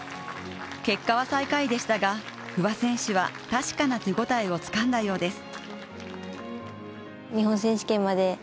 結果は最下位でしたが、不破選手は確かな手応えをつかんだようです。